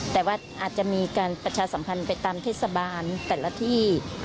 แต่ว่าอาจจะมีการประชาสัมพันธ์ไปตามเทศบาลแต่ละที่